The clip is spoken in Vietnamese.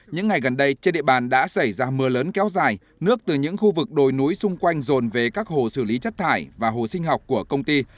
những ngày gần đây trên địa bàn đã xảy ra mưa lớn kéo dài nước từ những khu vực đồi núi xung quanh rồn về các hồ xử lý chất thải và hồ sinh học của công ty